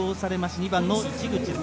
２番の市口です。